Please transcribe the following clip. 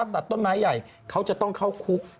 ตัดต้นไม้ใหญ่เขาจะต้องเข้าคุก